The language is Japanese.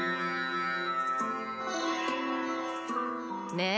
ねえ？